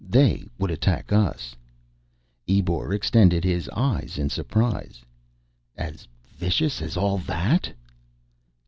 They would attack us." Ebor extended his eyes in surprise. "As vicious as all that?"